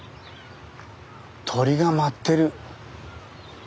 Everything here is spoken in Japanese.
鳥が舞ってる。